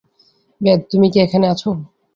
Bathe, তুমি কি এখানে আছ?